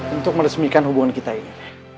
untuk meresmikan hubungan kita ini